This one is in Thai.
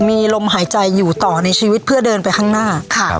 มีลมหายใจอยู่ต่อในชีวิตเพื่อเดินไปข้างหน้า